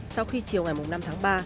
sau khi chiều ngày năm tháng ba